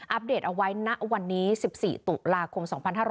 ปเดตเอาไว้ณวันนี้๑๔ตุลาคม๒๕๕๙